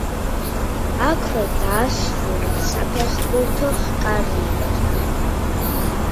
აქვე დაასრულა საფეხბურთო კარიერა.